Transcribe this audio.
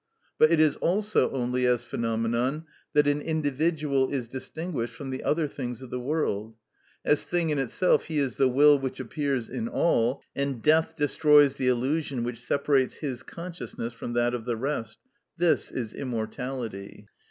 But it is also only as phenomenon that an individual is distinguished from the other things of the world; as thing in itself he is the will which appears in all, and death destroys the illusion which separates his consciousness from that of the rest: this is immortality.